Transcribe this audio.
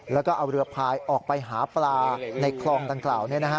แล้วก็เอาเรือพายออกไปหาปลาในคลองดังกล่าว